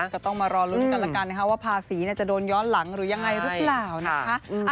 ก็ต้องมารอลุ้นกันแล้วกันนะคะว่าภาษีจะโดนย้อนหลังหรือยังไงหรือเปล่านะคะ